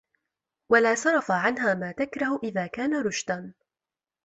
وَلَا صَرَفَ عَنْهَا مَا تَكْرَهُ إذَا كَانَ رُشْدًا